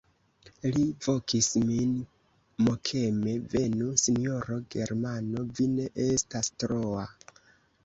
Li vokis min mokeme: "Venu, sinjoro Germano, vi ne estas troa."